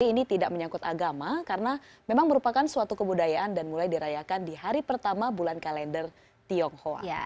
jadi ini tidak menyangkut agama karena memang merupakan suatu kebudayaan dan mulai dirayakan di hari pertama bulan kalender tionghoa